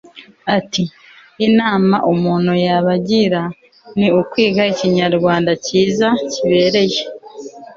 ati inama umuntu yabagira ni ukwiga ikinyarwanda cyiza kibereye